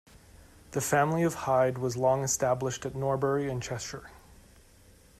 The family of Hyde was long established at Norbury in Cheshire.